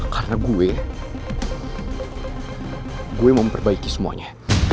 karena gue gue mau memperbaiki semuanya